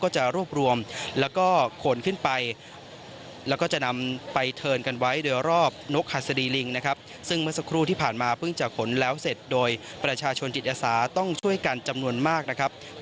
จะรวบรวมและโขลขึ้นไปและนำไปเทินกันไว้